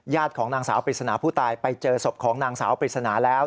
ของนางสาวปริศนาผู้ตายไปเจอศพของนางสาวปริศนาแล้ว